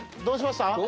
どうしました？